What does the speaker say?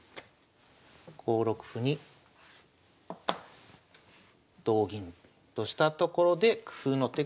５六歩に同銀としたところで工夫の手が出ます。